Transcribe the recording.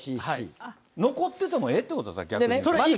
残っててもええっていうことですか、逆に。